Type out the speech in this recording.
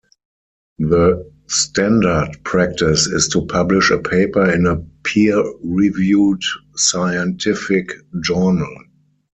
The standard practice is to publish a paper in a peer-reviewed scientific journal.